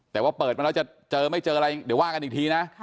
แต่ว่าเปิดมาแล้วจะเจอไม่เจออะไรเดี๋ยวว่ากันอีกทีนะ